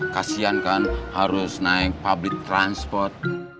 kasian kan harus naik public transport